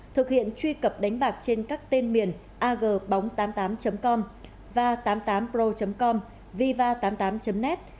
thực hiện truy cập đánh bạc trên các tên miền agbóng tám mươi tám com va tám mươi tám pro com viva tám mươi tám net